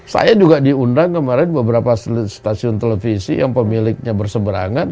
saya juga diundang kemarin beberapa stasiun televisi yang pemiliknya berseberangan